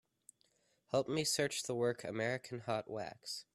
Help me search the work, American Hot Wax.